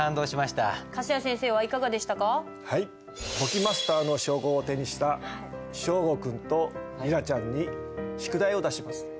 簿記マスターの称号を手にした祥伍君と莉奈ちゃんに宿題を出します。